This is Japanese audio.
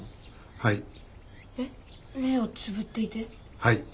はい。